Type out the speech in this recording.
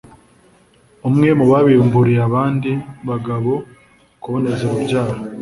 umwe mu babimburiye abandi bagabo kuboneza urubyaro